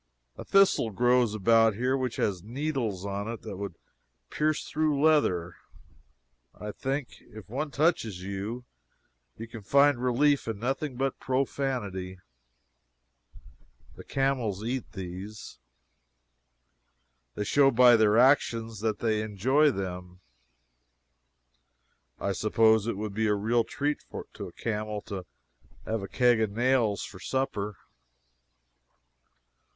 A thistle grows about here which has needles on it that would pierce through leather, I think; if one touches you, you can find relief in nothing but profanity. The camels eat these. They show by their actions that they enjoy them. I suppose it would be a real treat to a camel to have a keg of nails for supper.